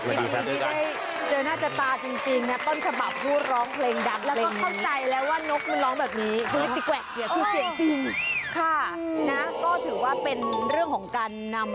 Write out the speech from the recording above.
วันนี้ที่ได้เจอนาฬิตาจริงนะป้อนสภาพพูดร้องเพลงดัก